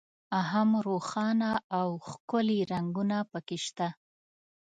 هم روښانه او ښکلي رنګونه په کې شته.